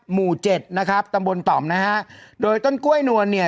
หมู่เจ็ดนะครับตำบลต่อมนะฮะโดยต้นกล้วยนวลเนี่ย